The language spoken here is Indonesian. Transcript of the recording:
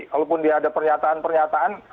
kalaupun dia ada pernyataan pernyataan